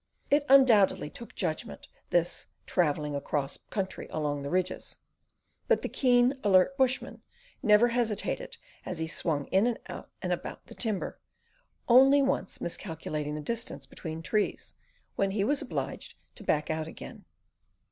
It undoubtedly took judgment this "travelling across country along the ridges"; but the keen, alert bushman never hesitated as he swung in and out and about the timber, only once miscalculating the distance between trees, when he was obliged to back out again.